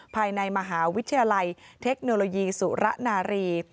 ภายในมหาวิทยาลัยเทคโนโลยีสุระนารี